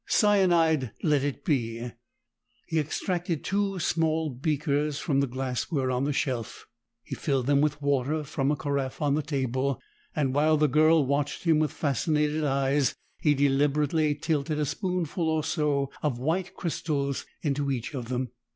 Cyanide let it be!" He extracted two small beakers from the glassware on the shelf. He filled them with water from a carafe on the table, and, while the girl watched him with fascinated eyes, he deliberately tilted a spoonful or so of white crystals into each of them.